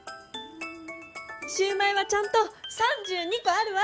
シューマイはちゃんと３２こあるわ！